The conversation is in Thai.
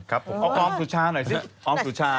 เอาอออมสุชาหน่อยสิอออมสุชา